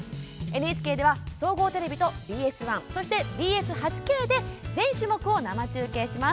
ＮＨＫでは、総合テレビとＢＳ１そしてＢＳ８Ｋで全種目を生中継します。